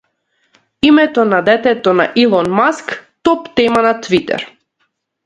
Името на детето на Илон Маск топ тема на Твитер